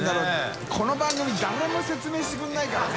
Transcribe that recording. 海糧崛誰も説明してくれないからね。